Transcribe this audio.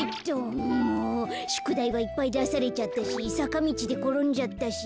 しゅくだいはいっぱいだされちゃったしさかみちでころんじゃったし。